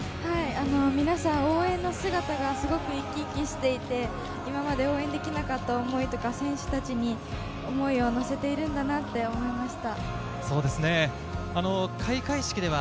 皆さん、応援の姿がすごく生き生きしていて、今まで応援できなかった思いとか、選手たちに思いを乗せているんだなと思いました。